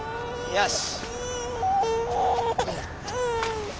よし。